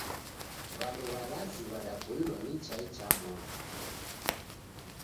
W'andu w'alazi w'adapoilwa ni chai cha modo.